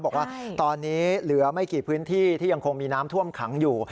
บอกว่าตอนนี้เหลือไม่กี่พื้นที่ที่ยังคงมีน้ำท่วมขังอยู่